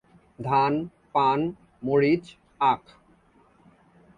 ধান, পান, মরিচ, আখ।